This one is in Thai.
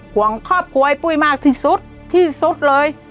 ห่วงครอบครัวไอ้ปุ้ยมากที่สุดที่สุดเลย